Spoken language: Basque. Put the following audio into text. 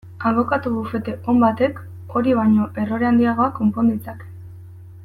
Abokatu bufete on batek hori baino errore handiagoak konpon ditzake.